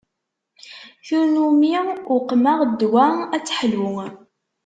Tin umi uqmeɣ ddwa ad teḥlu.